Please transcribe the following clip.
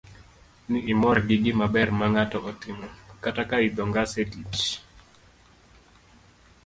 ni imor gi gimaber mang'ato otimo. kata ka idho ngas e tich,